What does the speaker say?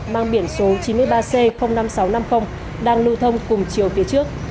mang biển số chín mươi ba c năm nghìn sáu trăm năm mươi đang lưu thông cùng chiều phía trước